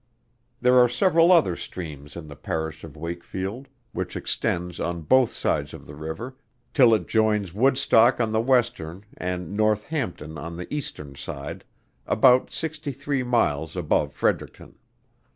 There are several other streams in the Parish of Wakefield, which extends on both sides of the river, till it joins Woodstock on the western and Northampton on the eastern side about sixty three miles above Fredericton.